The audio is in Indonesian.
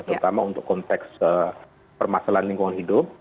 terutama untuk konteks permasalahan lingkungan hidup